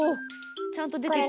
ちゃんと出てきちゃった。